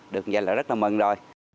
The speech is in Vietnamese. được nhìn là rất là mừng rồi